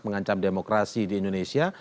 mengancam demokrasi di indonesia